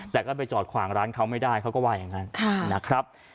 แต่ก็ไปจอดขวางร้านเขาไม่ได้เขาก็ว่าอย่างนั้นนะครับ